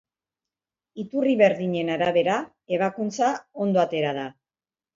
Iturri berdinen arabera, ebakuntza ondo atera da.